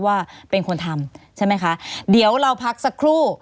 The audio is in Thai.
ว่าเป็นคนทำใช่ไหมคะเดี๋ยวเราพักสักครู่